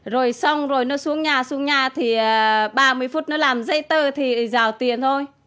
rồi xong rồi nó xuống nhà xuống nhà thì ba mươi phút nó làm dây tờ thì rào tiền thôi